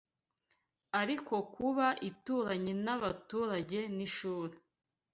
ariko kuba ituranye n’abaturage n’ishuri